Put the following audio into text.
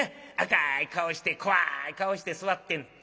赤い顔して怖い顔して座ってんねん。